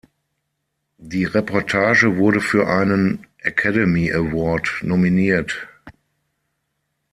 Die Reportage wurde für einen Academy Award nominiert.